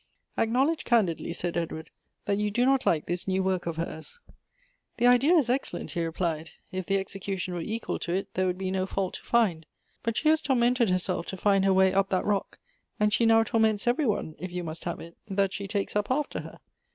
"Acknowledge candidly," said Edward, "that you do not like this new work of hers." " The idea is excellent," he replied ;" if the execution were equal to it, there would be no fault to find. But she has tormented herself to find her way up that rock ; and she now torments every one, if you must have it, that she takes up after her.